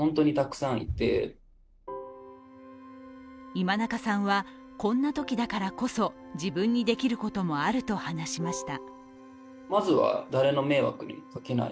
今中さんは、こんなときだからこそ自分にできることもあると話しました。